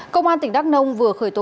công an tỉnh đắk nông vừa khởi tố